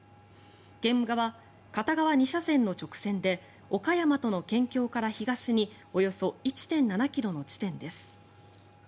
現場は片側２車線の直線で岡山との県境から東におよそ１．７ｋｍの地点です。